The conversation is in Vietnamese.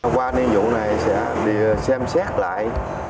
qua niên vụ này sẽ đi xem xét lại